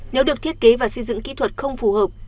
nếu được thiết kế và xây dựng kỹ thuật không phù hợp